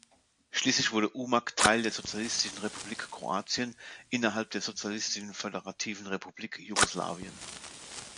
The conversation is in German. Schließlich wurde Umag Teil der Sozialistischen Republik Kroatien, innerhalb der Sozialistischen Föderativen Republik Jugoslawien.